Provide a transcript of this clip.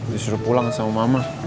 disuruh pulang sama mama